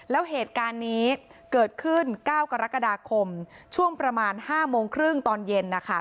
แล้วเหตุการณ์นี้เกิดขึ้น๙กรกฎาคมช่วงประมาณ๕โมงครึ่งตอนเย็นนะคะ